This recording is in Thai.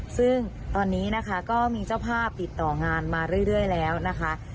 ซึ่งตอนนี้นะคะก็มีเจ้าภาพติดต่องานมาเรื่อยแล้วนะคะ